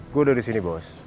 gue udah disini bos